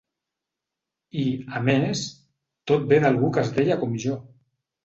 I, a més, tot ve d'algú que es deia com jo!